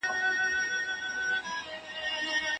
ټول علوم بايد يوځای کار وکړي.